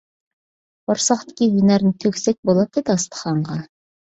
قورساقتىكى ھۈنەرنى تۆكسەك بولاتتى داستىخانغا.